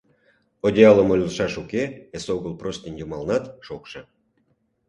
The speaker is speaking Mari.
Одеялым ойлышаш уке, эсогыл простынь йымалнат шокшо.